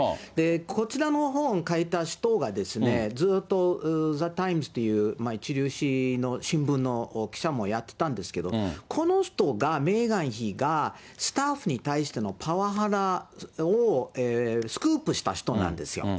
こちらの本、書いた人がずっとザ・タイムズという一流紙の新聞の記者もやってたんですけれども、この人がメーガン妃がスタッフに対してのパワハラをスクープした人なんですよ。